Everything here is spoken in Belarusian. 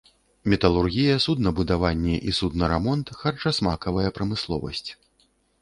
Металургія, суднабудаванне і суднарамонт, харчасмакавая прамысловасць.